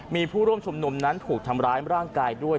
มีผู้ร่วมชุมนุมนั้นถูกทำร้ายร่างกายด้วย